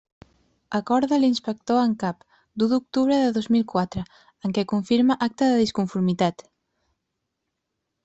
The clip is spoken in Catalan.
Acord de l'inspector en cap, d'u d'octubre de dos mil quatre, en què confirma acta de disconformitat.